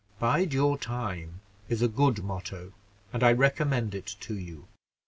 'Bide your time' is a good motto, and I recommend it to you.